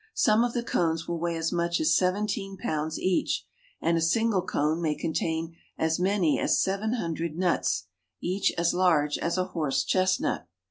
Some of the cones will weigh as much as sev enteen pounds each, and a single cone may con tain as many as seven hundred nuts, each as large asa horse chestnut.